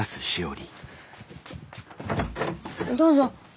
どうぞ。